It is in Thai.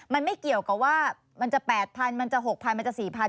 มันไม่เกี่ยวกับว่ามันจะ๘๐๐มันจะ๖๐๐มันจะ๔๐๐